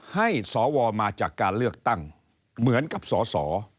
ให้สวมาจากการเลือกตั้งเหมือนกับสส